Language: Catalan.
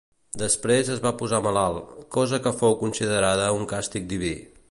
Després es va posar malalt, cosa que fou considerada un càstig diví.